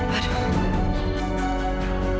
di satu saya